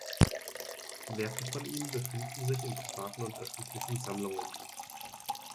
Werke von ihm befinden sich in privaten und öffentlichen Sammlungen.